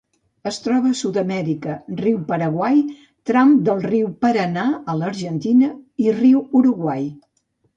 Es troba a Sud-amèrica: riu Paraguai, tram del riu Paranà a l'Argentina i riu Uruguai.